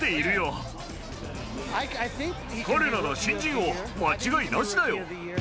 彼なら新人王、間違いなしだよ。